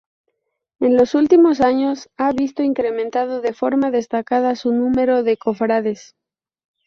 En los últimos años, ha visto incrementado de forma destacada su número de cofrades.